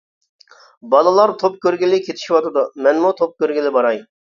بالىلار توپ كۆرگىلى كېتىشىۋاتىدۇ، مەنمۇ توپ كۆرگىلى باراي.